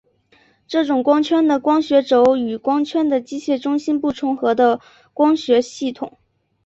这种光圈的光学轴与光圈的机械中心不重合的光学系统。